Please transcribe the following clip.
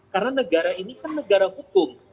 karena negara ini kan negara hukum